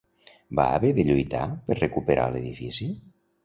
Van haver de lluitar per recuperar l'edifici?